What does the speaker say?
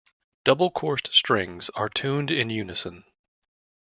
Double-coursed strings are tuned in unison.